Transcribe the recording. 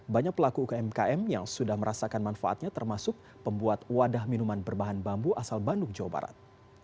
banyak pelaku umkm yang sudah merasakan manfaatnya termasuk pembuat wadah minuman berbahan bambu asal bandung jawa barat